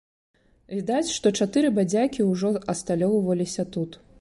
Відаць, што чатыры бадзякі ўжо асталёўваліся тут.